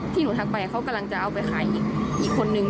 ที่หนูทักไปเขากำลังจะเอาไปขายอีกคนนึง